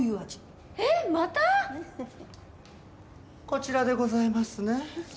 こちらでございますね。